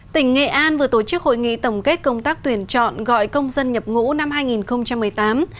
tỉnh nghệ an vừa tổ chức hội nghị tổng kết công tác tuyển chọn gọi công dân nhập ngũ năm hai nghìn một mươi tám